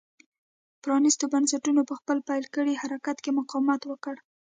پرانېستو بنسټونو په خپل پیل کړي حرکت کې مقاومت وکړ.